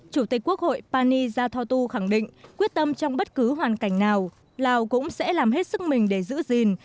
chủ tịch quốc hội pani yathotu khẳng định quyết tâm trong bất cứ hoàn cảnh nào lào cũng sẽ làm hết sức mình để giữ gìn